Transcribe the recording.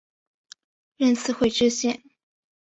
任四会知县。